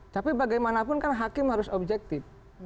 tapi bagaimanapun kan hakim harus objektif